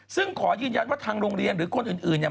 ซึ่งขอยืนยันว่าทางโรงเรียนหรือคนอื่นเนี่ย